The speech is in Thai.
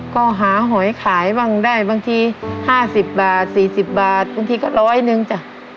ก็หาหอยขายบ้างได้บางทีห้าสิบบาทสี่สิบบาทบางทีก็ร้อยหนึ่งจ้ะ